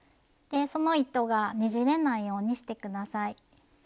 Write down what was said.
でその糸がねじれないようにして下さい。